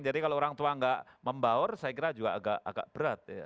jadi kalau orang tua enggak membaur saya kira juga agak berat